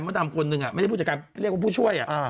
มันก็ทำคนหนึ่งอ่ะไม่ได้ผู้จัดการเรียกว่าผู้ช่วยอ่ะอ่า